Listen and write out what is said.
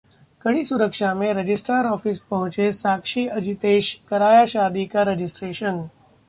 कड़ी सुरक्षा में रजिस्ट्रार ऑफिस पहुंचे साक्षी-अजितेश, कराया शादी का रजिस्ट्रेशन